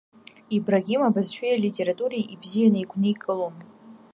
Ибрагим абызшәеи алитературеи ибзианы игәникылон.